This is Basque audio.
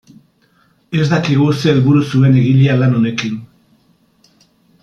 Ez dakigu ze helburu zuen egilea lan honekin.